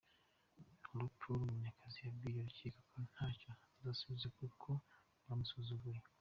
Leopold Munyakazi yabwiye urukiko ko ntacyo arusubiza kuko ‘bamusuzuguye’.